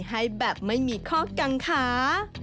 ให้แบบไม่มีข้อกังขา